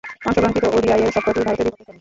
অংশগ্রহণকৃত ওডিআইয়ের সবকটিই ভারতে বিপক্ষে খেলেন।